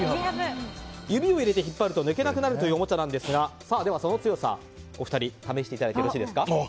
指を入れて引っ張ると抜けなくなるというおもちゃですがその強さ、お二人試していただいてよろしいですか。